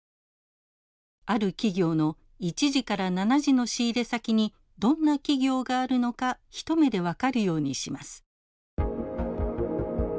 ある企業の１次から７次の仕入れ先にどんな企業があるのか一目で分かるようにします。